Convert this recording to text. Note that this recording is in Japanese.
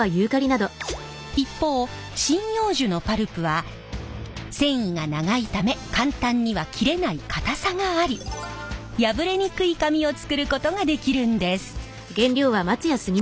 一方針葉樹のパルプは繊維が長いため簡単には切れない固さがあり破れにくい紙を作ることができるんです。